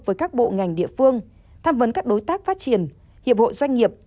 với các bộ ngành địa phương tham vấn các đối tác phát triển hiệp hội doanh nghiệp